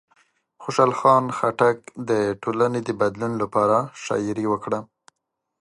خوشحال خان خټک د ټولنې د بدلولو لپاره شاعري وکړه.